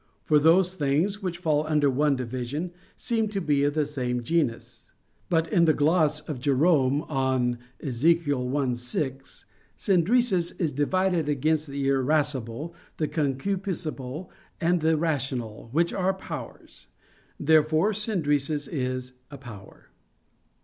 For those things which fall under one division, seem to be of the same genus. But in the gloss of Jerome on Ezech. 1:6, "synderesis" is divided against the irascible, the concupiscible, and the rational, which are powers. Therefore "synderesis" is a power.